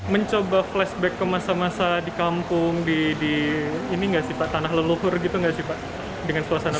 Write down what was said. mencoba flashback ke masa masa di kampung di di ini enggak sih pak tanah leluhur gitu nggak sih pak dengan suasana